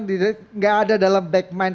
tidak ada dalam hal hal